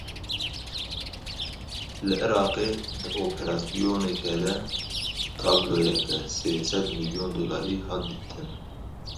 Li Iraqê di operasyonekê de tabloyeka sê sed milyon dolarî hat dîtin.